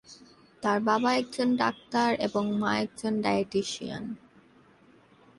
তার বাবা একজন ডাক্তার এবং মা একজন ডায়েটেশিয়ান।